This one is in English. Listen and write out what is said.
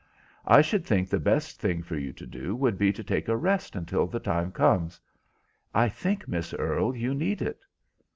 I should think the best thing for you to do would be to take a rest until the time comes. I think, Miss Earle, you need it."